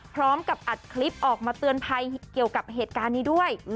พร้อมกับอัดคลิปออกมาเตือนภัยเกี่ยวกับเหตุการณ์นี้ด้วย